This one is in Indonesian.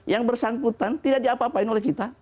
yang bersangkutan tidak diapa apain oleh kita